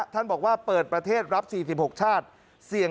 ท่านบอกว่าเปิดประเทศรับ๔๖ชาติ